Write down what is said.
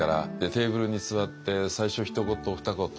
テーブルに座って最初ひと言ふた言